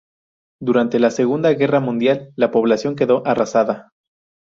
Durante la Segunda Guerra Mundial la población quedó arrasada.